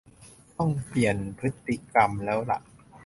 ต้องเปลี่ยนพฤติกรรมแล้วล่ะ